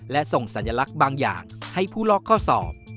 และส่งสัญลักษณ์บางอย่างให้ผู้ลอกข้อสอบ